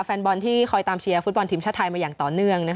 แฟนบอลที่คอยตามเชียร์ฟุตบอลทีมชาติไทยมาอย่างต่อเนื่อง